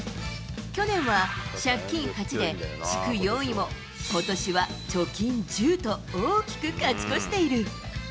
去年は借金８で地区４位も、ことしは貯金１０と大きく勝ち越している。